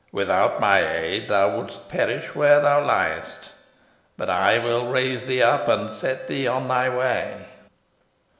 Without my aid thou wouldst perish where thou liest, but I will raise thee up, and set thee on thy way."